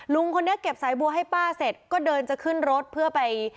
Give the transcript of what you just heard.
ลุงคนนี้เก็บสายบัวให้ป้าเสร็จก็เดินจะขึ้นรถเพื่อไป